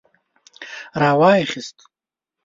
را وايي خيست.